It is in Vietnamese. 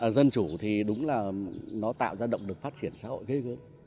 dân chủ thì đúng là nó tạo ra động lực phát triển xã hội ghê gớm